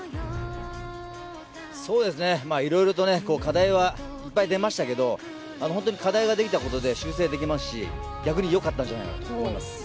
そうですね、いろいろと課題はいっぱい出ましたけど課題ができたことで修正できますし逆によかったんじゃないかと思います。